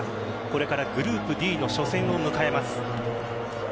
これからグループＤの初戦を迎えます。